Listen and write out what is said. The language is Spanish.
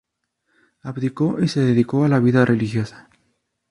Abdicó y se dedicó a la vida religiosa.